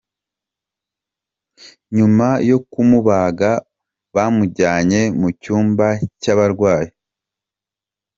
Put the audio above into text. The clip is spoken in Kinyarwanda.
Nyuma yo kumubaga bamujyanye mu cyumba cy’abarwayi.